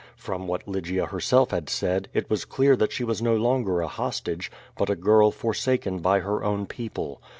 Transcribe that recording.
From what Lygia herself had said, it was clear that she was no longer a hostage, but a girl forsaken by her own pepple.